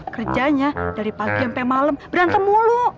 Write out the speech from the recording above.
kerjanya dari pagi sampai malam berantem mulu